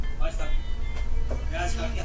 چي د لوږي ږغ یې راغی له لړمونه ..